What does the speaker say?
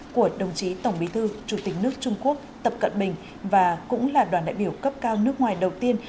của đồng chí tổng bí thư chủ tịch nước trung quốc tập cận bình và cũng là đoàn đại biểu cấp cao nước ngoài đầu tiên